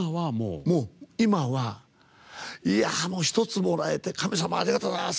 今は、もう、一つもらえて神様、ありがとうございます！